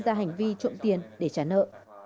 ra hành vi trộm tiền để trả nợ